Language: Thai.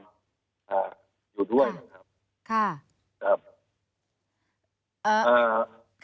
อยู่ด้วยครับ